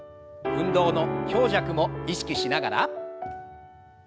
運動の強弱も意識しながら。